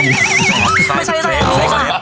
ไม่ใช่เรื่องนี้ค่ะ